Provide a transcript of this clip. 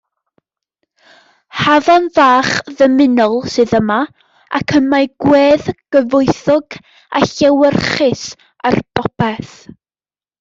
Hafan fach ddymunol sydd yma, ac y mae gwedd gyfoethog a llewyrchus ar bopeth.